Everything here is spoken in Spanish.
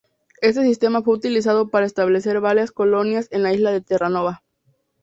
Este sistema fue utilizado para establecer varias colonias en la isla de Terranova.